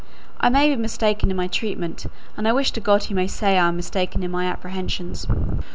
I may be mistaken in my treatment; and I wish to God he may say I am mistaken in my apprehensions."